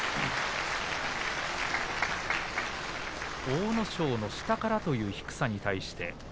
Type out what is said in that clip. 阿武咲の下からという低さに対して。